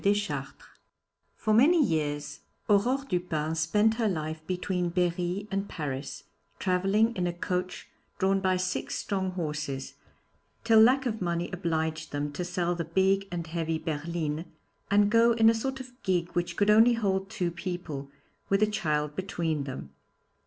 DESCHARTRES_ For many years Aurore Dupin spent her life between Berry and Paris, travelling in a coach drawn by six strong horses, till lack of money obliged them to sell the big and heavy 'Berlin,' and go in a sort of gig which could only hold two people, with a child between them.